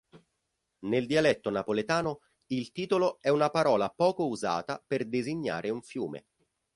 Nel dialetto napoletano il titolo è una parola poco usata per designare un fiume.